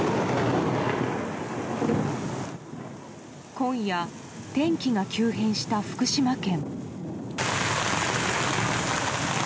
今夜、天気が急変した福島県。